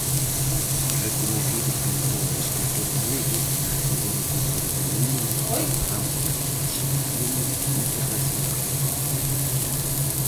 Recoñecido pintor e escultor galego nacido no concello de Lalín, cunha ampla proxección internacional.